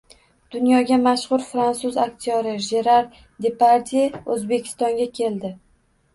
Dunyoga mashhur fransuz aktyori Jerar Depardye O'zbekistonga keldi